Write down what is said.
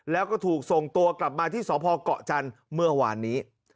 แล้วก็ถูกส่งตัวกลับมาที่สพเกาะจันทร์เมื่อวานนี้